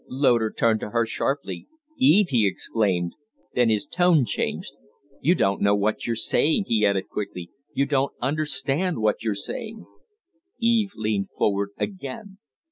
Loder turned to her sharply. "Eve!" he exclaimed; then his tone changed. "You don't know what you're saying," he added, quickly; "you don't understand what you're saying." Eve leaned forward again.